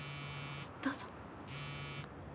どうぞ。